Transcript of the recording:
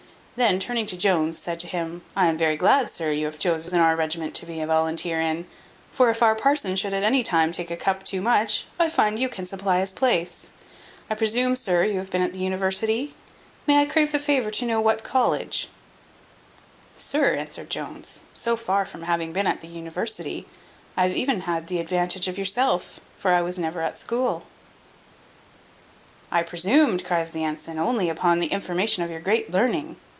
Then turning to Jones, said to him, "I am very glad, sir, you have chosen our regiment to be a volunteer in; for if our parson should at any time take a cup too much, I find you can supply his place. I presume, sir, you have been at the university; may I crave the favour to know what college?" "Sir," answered Jones, "so far from having been at the university, I have even had the advantage of yourself, for I was never at school." "I presumed," cries the ensign, "only upon the information of your great learning."